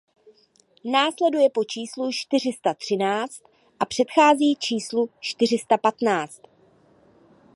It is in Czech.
Následuje po číslu čtyři sta třináct a předchází číslu čtyři sta patnáct.